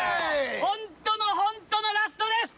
ホントのホントのラストです！